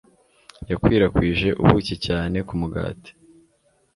Yakwirakwije ubuki cyane ku mugati.